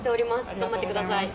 頑張ってください。